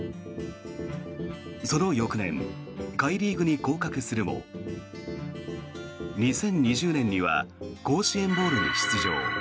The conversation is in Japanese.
その翌年下位リーグに降格するも２０２０年には甲子園ボウルに出場。